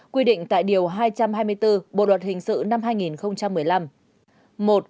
quy định tại điều hai trăm hai mươi bốn bộ luật hình sự năm hai nghìn một mươi năm